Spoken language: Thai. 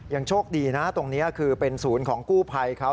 โชคดีนะตรงนี้คือเป็นศูนย์ของกู้ภัยเขา